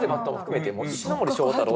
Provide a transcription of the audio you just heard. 石森章太郎